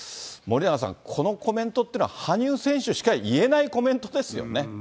森永さん、このコメントっていうのは、羽生選手しか言えないコメントですよね。